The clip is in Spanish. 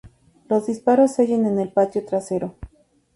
Los disparos se oyen en el patio trasero.